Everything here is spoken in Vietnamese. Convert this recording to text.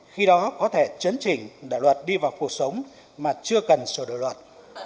khi đó có thể chấn chỉnh để luật đi vào cuộc sống mà chưa cần sửa đổi luật